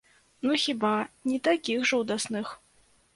Ну, хіба, не такіх жудасных.